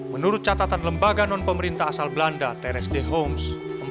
menurut catatan lembaga non pemerintah asal belanda terest homes